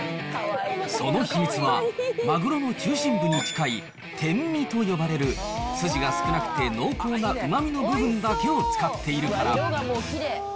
その秘密は、まぐろの中心部に近い天身と呼ばれる、筋が少なくて濃厚なうまみの部分だけを使っているから。